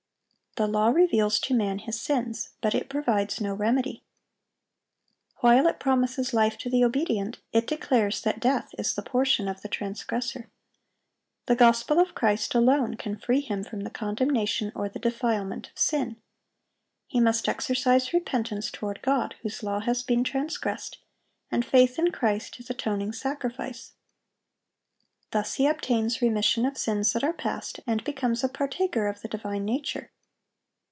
The law reveals to man his sins, but it provides no remedy. While it promises life to the obedient, it declares that death is the portion of the transgressor. The gospel of Christ alone can free him from the condemnation or the defilement of sin. He must exercise repentance toward God, whose law has been transgressed; and faith in Christ, his atoning sacrifice. Thus he obtains "remission of sins that are past," and becomes a partaker of the divine nature.